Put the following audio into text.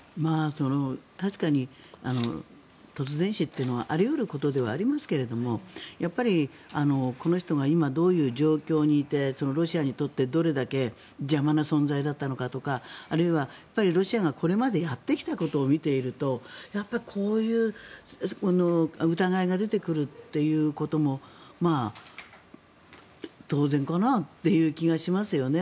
確かに突然死というのはあり得ることではありますがこの人が今どういう状況にいてロシアにとってどれだけ邪魔な存在だったのかとかあるいは、ロシアがこれまでやってきたことを見ているとやっぱりこういう疑いが出てくるということも当然かなという気がしますよね。